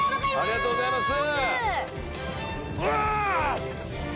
ありがとうございます！